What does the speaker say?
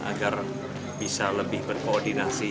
agar bisa lebih berkoordinasi